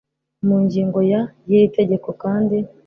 mu ngingo ya y iri tegeko kandi